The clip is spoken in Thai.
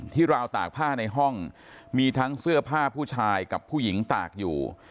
ราวตากผ้าในห้องมีทั้งเสื้อผ้าผู้ชายกับผู้หญิงตากอยู่